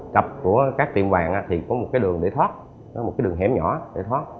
tập của các tiệm vàng thì có một cái đường để thoát một cái đường hẻm nhỏ để thoát